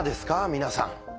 皆さん。